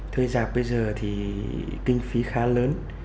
thuê giạc bây giờ thì kinh phí khá lớn